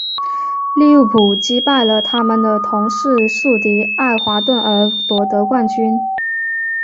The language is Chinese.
利物浦击败了他们的同市宿敌爱华顿而夺得冠军。